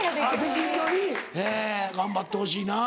できんのに頑張ってほしいな。